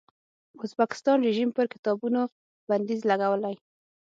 ازبکستان رژیم پر کتابونو بندیز لګولی.